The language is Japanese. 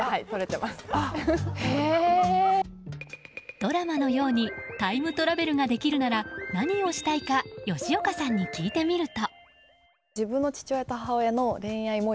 ドラマのようにタイムトラベルができるなら何をしたいか吉岡さんに聞いてみると。